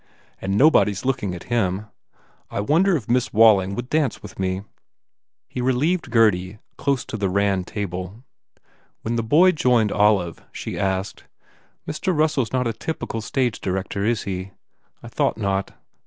And nobody s looking at him. I wonder if Miss Walling would dance with me?" He relieved Gurdy close to the Rand table. When the boy joined Olive she asked, "Mr. Russell isn t a typical stage director, is he? ... I thought not.